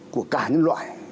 của cả nhân loại